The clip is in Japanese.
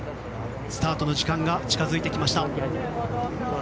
スタートの時間が近づいてきました。